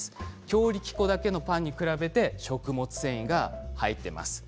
強力粉だけのパンに比べて食物繊維が入っています。